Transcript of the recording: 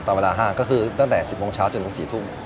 เวลาห้างก็คือตั้งแต่๑๐โมงเช้าจนถึง๔ทุ่ม